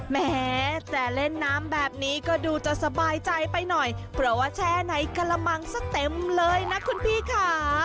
แม้แต่เล่นน้ำแบบนี้ก็ดูจะสบายใจไปหน่อยเพราะว่าแช่ในกระมังซะเต็มเลยนะคุณพี่ค่ะ